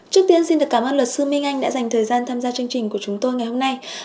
trước tiên xin được cảm ơn luật sư minh anh đã dành thời gian tham gia chương trình của chúng tôi ngày hôm nay